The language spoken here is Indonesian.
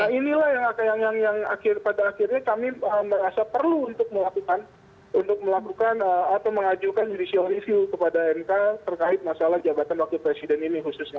nah inilah yang pada akhirnya kami merasa perlu untuk melakukan atau mengajukan judicial review kepada mk terkait masalah jabatan wakil presiden ini khususnya